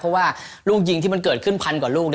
เพราะว่าลูกยิงที่มันเกิดขึ้นพันกว่าลูก